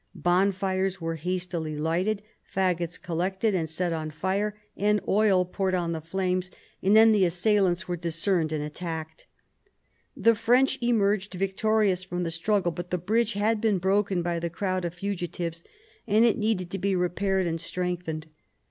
Bonfires were hastily lighted, faggots collected and set on fire, and oil poured on the flames, and then the assailants were discerned and attacked. The French emerged victorious from the struggle, but the bridge had been broken by the crowd of fugitives, and it needed to be repaired and strengthened.